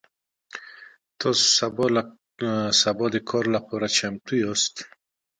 تاسو سبا د کار لپاره چمتو یاست؟